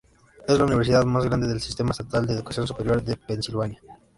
Es la universidad más grande del Sistema Estatal de Educación Superior de Pensilvania.